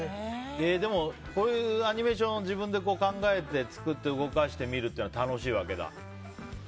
こういうアニメーションを自分で考えて作って動かしてみるっていうのははい。